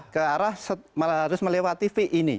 ke arah harus melewati v ini